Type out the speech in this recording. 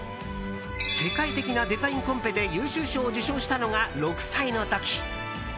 世界的なデザインコンペで優秀賞を受賞したのが６歳の時。